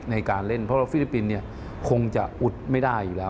ในการเล่นเพราะว่าฟิลิปปินส์คงจะอุดไม่ได้อยู่แล้ว